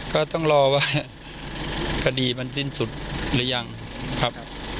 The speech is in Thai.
ก็ต้องรอว่าคดีมันสิ้นสุดหรือยังครับ